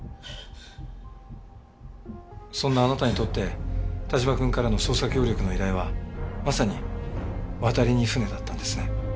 そんなあなたにとって但馬くんからの捜査協力の依頼はまさに渡りに船だったんですね。